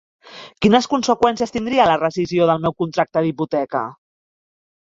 Quines conseqüències tindria la rescissió del meu contracte d"hipoteca?